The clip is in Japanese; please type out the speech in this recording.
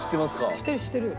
知ってる知ってる。